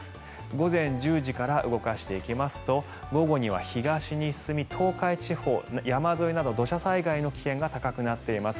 午前１０時から動かしていきますと午後には東に進み東海地方山沿いなど土砂災害の危険性が高くなっています。